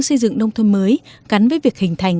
xây dựng nông thôn mới gắn với việc hình thành